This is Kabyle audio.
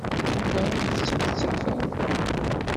Naɣ ur tettmettateḍ?